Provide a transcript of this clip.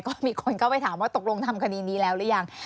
ก็มีคนเข้าไปถามว่าตกลงทำคดีนี้แล้วหรือยัง